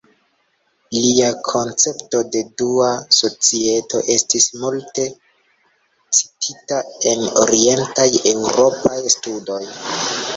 Lia koncepto de dua societo estis multe citita en Orientaj Eŭropaj Studoj.